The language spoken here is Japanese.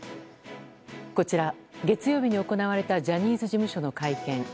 こちら、月曜日に行われたジャニーズ事務所の会見。